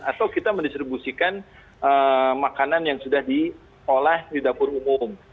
atau kita mendistribusikan makanan yang sudah diolah di dapur umum